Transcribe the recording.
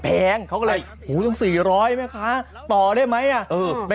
เป็นน้ำผึ้งแท้๑๐๐เลย